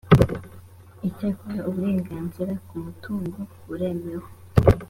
icyakora uburenganzira ku mutungo buremewe